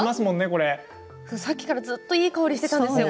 さっきからずっといい香りがしていたんですよ。